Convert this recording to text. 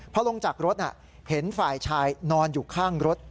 พอลงจากรถเห็นฝ่ายชายนอนอยู่ข้างรถ